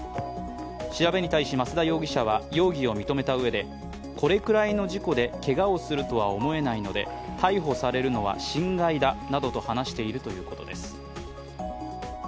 調べに対し、増田容疑者は容疑を認めたうえでこれくらいの事故でけがをするとは思えないので逮捕されるのは心外だなどと話しているということです。